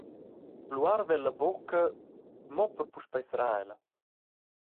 Lu arva el la bucca mo per puspei serrar ella.